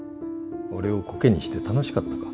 俺をこけにして楽しかったか？